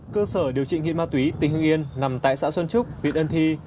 cơ sở điều trị nghiện ma túy tỉnh hưng yên nằm tại xã xuân trúc huyện ân thi